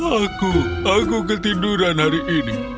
aku aku ketinduran hari ini